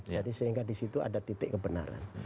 jadi sehingga di situ ada titik kebenaran